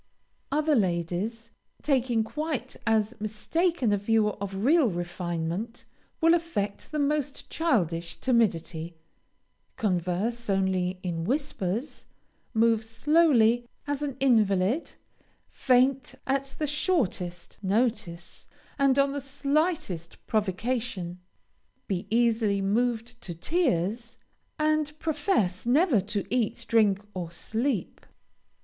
Other ladies, taking quite as mistaken a view of real refinement, will affect the most childish timidity, converse only in whispers, move slowly as an invalid, faint at the shortest notice, and on the slightest provocation; be easily moved to tears, and profess never to eat, drink, or sleep.